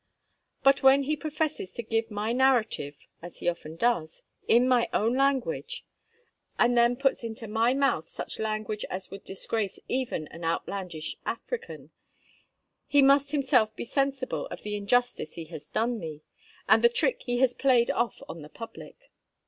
But when he professes to give my narrative (as he often does) in my own language, and then puts into my mouth such language as would disgrace even an outlandish African, he must himself be sensible of the injustice he has done me, and the trick he has played off on the publick.